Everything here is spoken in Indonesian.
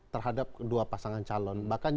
terhadap dua pasangan calon bahkan